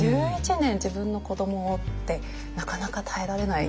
１１年自分の子どもをってなかなか耐えられない。